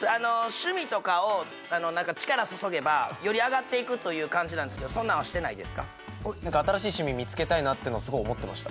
趣味とかを力注げばより上がっていくという感じなんですけどそんなのはしてないですか新しい趣味見つけたいなっていうのはすごい思ってました